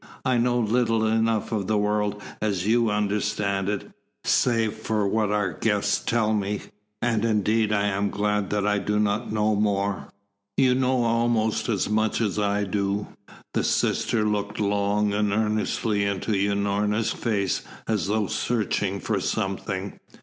I know little enough of the world as you understand it, save for what our guests tell me and, indeed, I am glad that I do not know more." "You know almost as much as I do." The sister looked long and earnestly into Unorna's face as though searching for something.